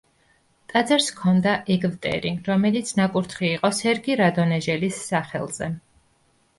ტაძარს ჰქონდა ეგვტერი, რომელიც ნაკურთხი იყო სერგი რადონეჟელის სახელზე.